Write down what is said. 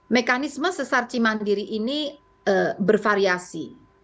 mekanisme sesar cimandiri ini bervariasi